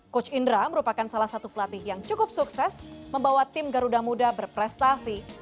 coach indra merupakan salah satu pelatih yang cukup sukses membawa tim garuda muda berprestasi